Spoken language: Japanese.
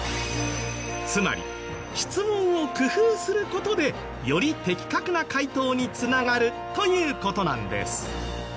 つまり質問を工夫する事でより的確な回答に繋がるという事なんです。